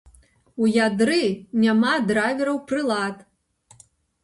У ядры няма драйвераў прылад.